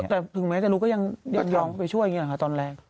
แต่ถึงแม้จะรู้ก็ยังย้องไปช่วยอย่างนี้แหละค่ะตอนแรก